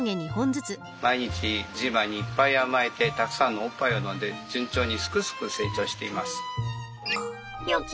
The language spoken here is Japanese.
毎日ジーマにいっぱい甘えてたくさんのおっぱいを飲んで順調にすくすく成長しています。